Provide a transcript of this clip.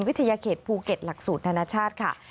วิทยาเขตภูเก็ตหลักสูตรนานาชาติค่ะ